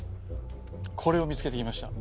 これを見つけてきました。